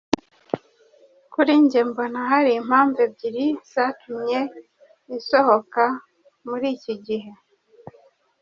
Kuri njye mbona hari impamvu ebyiri zatumye isohoka muri iki gihe.